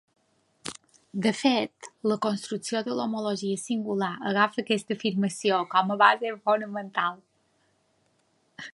De fet, la construcció de l'homologia singular agafa aquesta afirmació com a base fonamental.